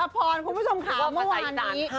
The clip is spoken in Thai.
หายอภพรคุณผู้ชมขาวเมื่อวานนี้